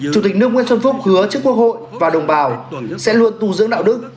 chủ tịch nước nguyễn xuân phúc hứa trước quốc hội và đồng bào sẽ luôn tu dưỡng đạo đức